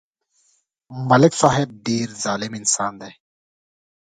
ملک صاحب ډېر ظالم انسان دی